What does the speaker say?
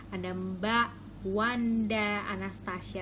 ada mbak wanda anastasia